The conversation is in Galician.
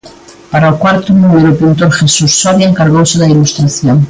Para o cuarto número o pintor Jesús Soria encargouse da ilustración.